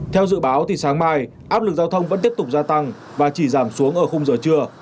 theo dự báo thì sáng mai áp lực giao thông vẫn tiếp tục gia tăng và chỉ giảm xuống ở khung giờ trưa